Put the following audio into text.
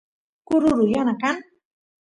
kururu yana kan